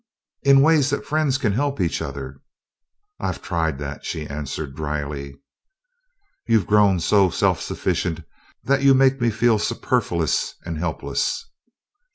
"In ways that friends can help each other." "I've tried that," she answered dryly. "You've grown so self sufficient that you make me feel superfluous and helpless."